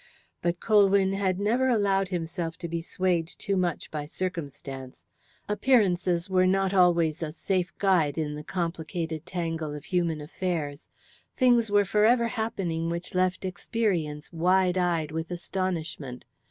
But Colwyn had never allowed himself to be swayed too much by circumstance. Appearances were not always a safe guide in the complicated tangle of human affairs. Things were forever happening which left experience wide eyed with astonishment.